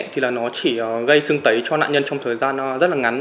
thì nó chỉ gây xương tấy cho nạn nhân trong thời gian rất là ngắn